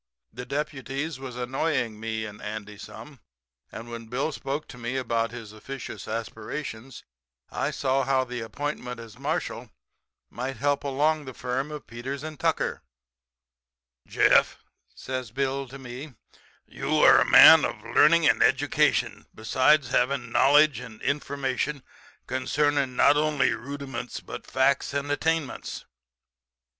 The deputies was annoying me and Andy some, and when Bill spoke to me about his officious aspirations, I saw how the appointment as Marshall might help along the firm of Peters & Tucker. [Illustration: "Selling walking canes."] "'Jeff,' says Bill to me, 'you are a man of learning and education, besides having knowledge and information concerning not only rudiments but facts and attainments.'